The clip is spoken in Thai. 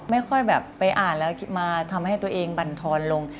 ไม่ค่อยแบบไปอ่านแล้วมาทำให้ตัวเองบรรทอนลง